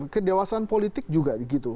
kedewasaan politik juga begitu